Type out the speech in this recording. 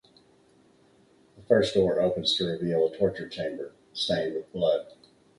The first door opens to reveal a torture chamber, stained with blood.